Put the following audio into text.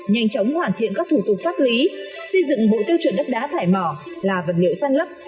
nhanh chóng hoàn thiện các thủ tục pháp lý xây dựng bộ tiêu chuẩn đất đá thải mỏ là vật liệu san lấp